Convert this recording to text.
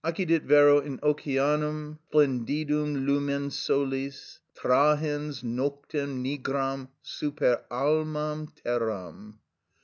("Occidit vero in Oceanum splendidum lumen solis, Trahens noctem nigram super almam terram.")